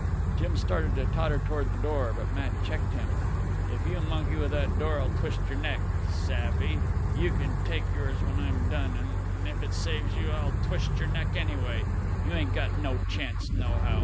Jim started to totter toward the door, but Matt checked him. "If you monkey with that door, I'll twist your neck. Savve? You can take yours when I'm done. An' if it saves you, I'll twist your neck, anyway. You ain't got no chance, nohow.